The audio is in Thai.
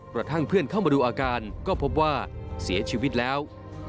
กระทั่งเพื่อนเข้ามาดูอาการก็พบว่าเสียชีวิตแล้ว